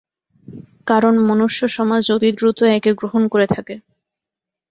কারণ মনুষ্যসমাজ অতি দ্রুত একে গ্রহণ করে থাকে।